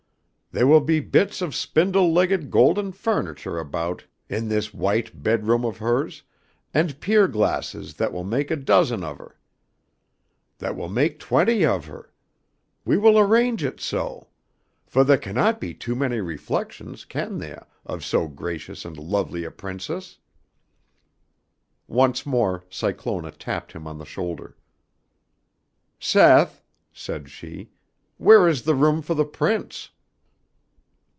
Theah will be bits of spindle legged golden furniture about in this white bed room of hers and pier glasses that will maik a dozen of her, that will maik twenty of her, we will arrange it so; for theah cannot be too many reflections, can theah, of so gracious and lovely a Princess?" Once more Cyclona tapped him on the shoulder. "Seth," said she, "where is the room for the Prince?"